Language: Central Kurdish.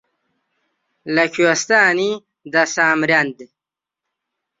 لە کوێستانی دە سامرەند